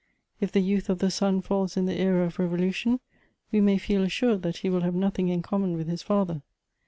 If the youth of the son fulls in the era of revolution, we may feel assured that he will have nothing in common with his father.